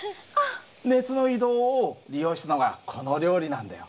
熱の移動を利用したのがこの料理なんだよ。